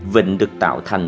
vịnh được tạo thành